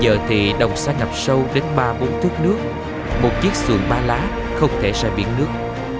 giờ thì đồng xa ngập sâu đến ba bốn thước nước một chiếc xuồng ba lá không thể sẽ biển nước